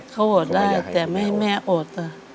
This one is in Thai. เขาอดได้แต่ไม่ให้แม่อด